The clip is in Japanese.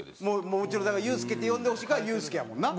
もちろんだから「ユースケ」って呼んでほしいからユースケやもんな。